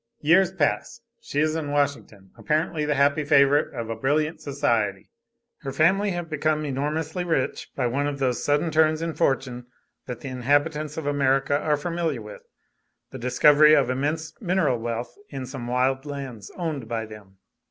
"Years pass. She is in Washington, apparently the happy favorite of a brilliant society. Her family have become enormously rich by one of those sudden turns in fortune that the inhabitants of America are familiar with the discovery of immense mineral wealth in some wild lands owned by them.